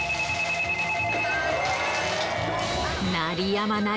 鳴りやまない